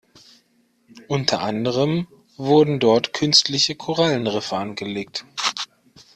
Unter anderem wurden dort künstliche Korallenriffe angelegt.